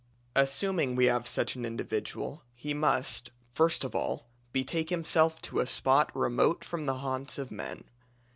Assuming we have such an individual he must, first of all, betake himself to a spot remote from the haunts of men.